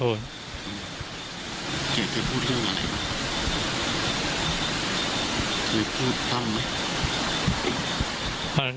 เกษตร์เกษย์พูดเรื่องอะไรบ้าง